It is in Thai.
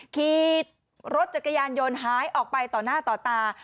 ขี่รถจักรยานยนต์หายออกไปต่อหน้าต่อตา